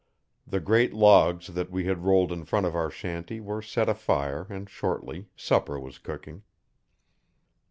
The great logs that we had rolled in front of our shanty were set afire and shortly supper was cooking.